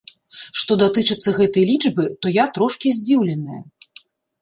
Што датычыцца гэтай лічбы, то я трошкі здзіўленая.